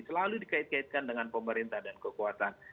selalu dikait kaitkan dengan pemerintah dan kekuatan